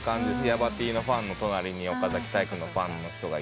ヤバＴのファンの隣に岡崎体育のファンの人がいて。